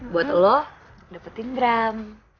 buat lo dapetin bram